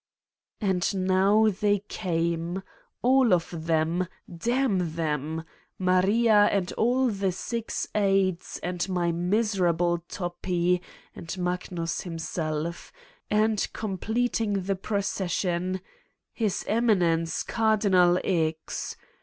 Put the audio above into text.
And now they came all of them, damn them: Maria and all the six aides and my miser able Toppi, and Magnus himself, and completing the procession His Eminence, Cardinal X.